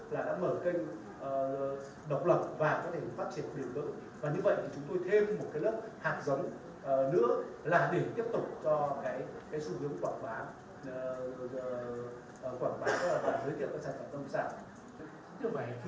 quảng bá và giới thiệu các sản phẩm công sản